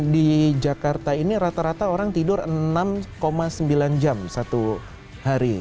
di jakarta ini rata rata orang tidur enam sembilan jam satu hari